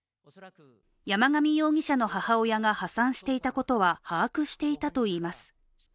山上容疑者の母親が破産していたことは把握していたといいます。